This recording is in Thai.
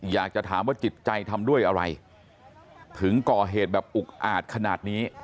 อยากจะถามว่าจิตใจทำด้วยอะไรถึงก่อเหตุแบบอุกอาจขนาดนี้